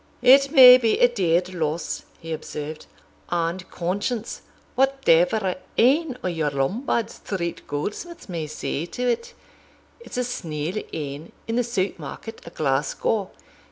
"It may be a dead loss," he observed; "and, conscience! whate'er ane o' your Lombard Street goldsmiths may say to it, it's a snell ane in the Saut Market* o' Glasgow.